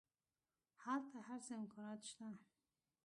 هلته هر څه امکانات شته.